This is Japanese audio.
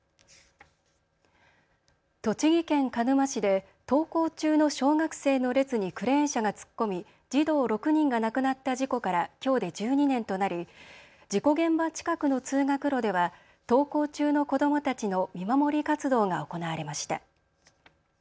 栃木県鹿沼市で登校中の小学生の列にクレーン車が突っ込み児童６人が亡くなった事故からきょうで１２年となり事故現場近くの通学路では登校中の子どもたちの見守り活動が行われました。